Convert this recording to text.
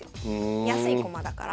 安い駒だから。